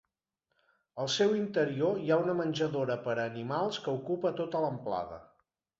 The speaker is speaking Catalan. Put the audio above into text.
Al seu interior hi ha una menjadora per animals que ocupa tota l'amplada.